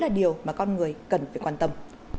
là điều mà con người cần phải quan tâm